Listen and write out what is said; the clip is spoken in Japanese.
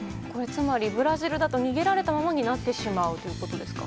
つまり、ブラジルだと逃げられたままになってしまうということですか？